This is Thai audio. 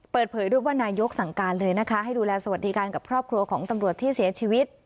เปิดเผยด้วยว่านายกสั่งการเลยนะคะให้ดูแลสวัสดิการกับครอบครัวของตำรวจที่เสียชีวิต